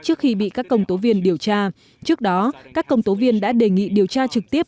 trước khi bị các công tố viên điều tra trước đó các công tố viên đã đề nghị điều tra trực tiếp